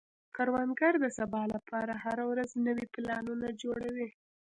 کروندګر د سبا لپاره هره ورځ نوي پلانونه جوړوي